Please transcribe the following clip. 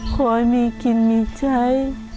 ขอให้มีกินมีใช้